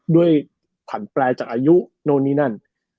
ด้วยผ่านแปลจากอายุโน้นนี้นั่น